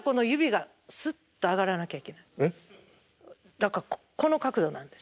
だからこの角度なんです。